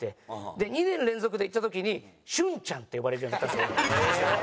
で２年連続で行った時に「俊ちゃん」って呼ばれるようになったんですよ俺。